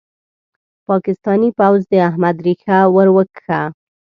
پاکستاني پوځ د احمد ريښه ور وکښه.